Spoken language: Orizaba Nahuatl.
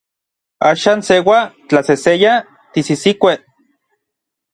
Axan seua, tlaseseya, tisisikuej.